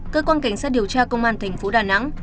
cơ quan cảnh sát điều tra công an tp đà nẵng